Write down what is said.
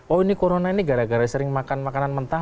oh ini corona ini gara gara sering makan makanan mentah